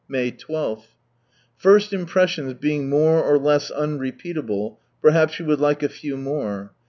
Afaji II,— First impressions being more or less unrepeatable, perhaps you would like a few more.